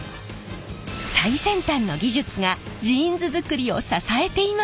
最先端の技術がジーンズ作りを支えていました！